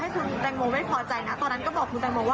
ถ้าเป็นเสียงเราเราจะไม่ได้รู้สึกกลัว